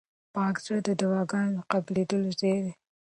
پاک زړه د دعاګانو د قبلېدو ځای دی.